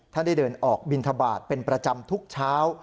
ได้เดินออกบินทบาทเป็นประจำทุกเช้า